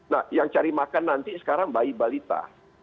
nah yang cari makan nanti sekarang bayi balita